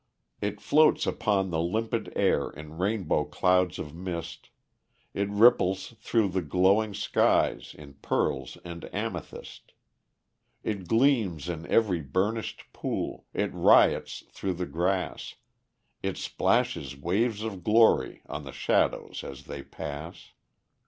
It floats upon the limpid air in rainbow clouds of mist, It ripples through the glowing skies in pearl and amethyst, It gleams in every burnished pool, it riots through the grass, It splashes waves of glory on the shadows as they pass.